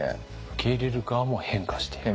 受け入れる側も変化していく。